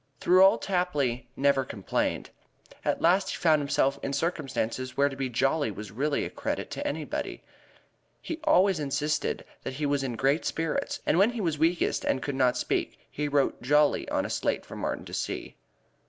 Through all Tapley never complained. At last he found himself in circumstances where to be jolly was really a credit to anybody. He always insisted that he was in great spirits, and when he was weakest and could not speak he wrote "jolly" on a slate for Martin to see.